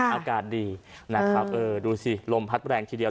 อากาศดีนะครับดูสิลมพัดแรงทีเดียว